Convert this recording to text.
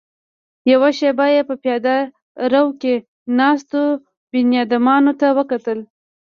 يوه شېبه يې په پياده رو کې ناستو بنيادمانو ته وکتل.